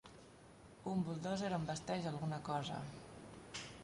Un buldòzer envesteix alguna cosa.